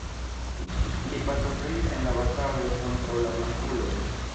Li partoprenis en la bataloj kontraŭ la blankuloj.